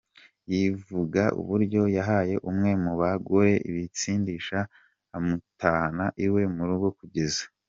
yivuga uburyo yahaye umwe mu bagore ibisindisha amutahana iwe mu rugo kugeza.